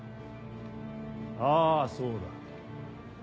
あぁそうだ。